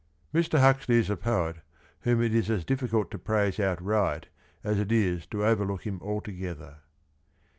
Mr. Huxley is a poet whom it is as difficult to praise out right as it is to overlook him altogether.